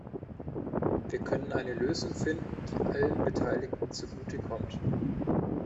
Wir können eine Lösung finden, die allen Beteiligten zugute kommt.